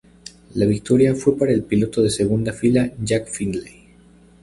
La victoria fue para el piloto de segunda fila Jack Findlay.